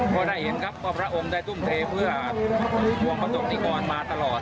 ก็ได้เห็นครับว่าพระองค์ได้ทุ่มเทเพื่อวงประสบนิกรมาตลอด